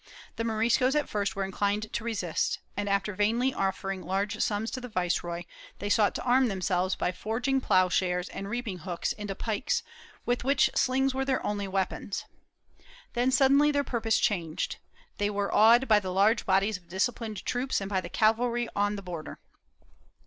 The Moriscos at first were inclined to resist and, after vainly offering large sums to the viceroy, they sought to arm themselves by forging ploughshares and reaping hooks into pikes, which with slings were their only weapons.^ Then suddenly their purpose changed. They were awed by the large bodies of dis ciplined troops and by the cavalry on the border.